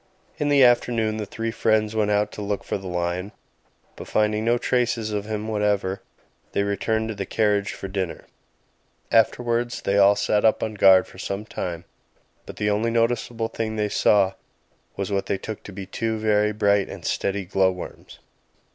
In the afternoon the three friends went out to look for the lion, but, finding no traces of him whatever, they returned to the carriage for dinner. Afterwards they all sat up on guard for some time; but the only noticeable thing they saw was what they took to be two very bright and steady glow worms.